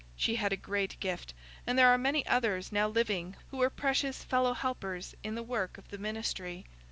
She had a great gift, and there are many others now living who are precious fellow helpers in the work of the ministry.